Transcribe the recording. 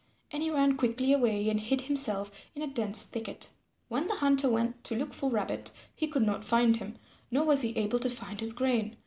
And he ran quickly away and hid himself in a dense thicket. When the Hunter went to look for Rabbit, he could not find him, nor was he able to find his grain.